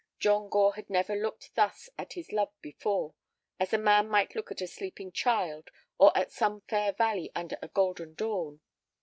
John Gore had never looked thus at his love before, as a man might look at a sleeping child or at some fair valley under a golden dawn.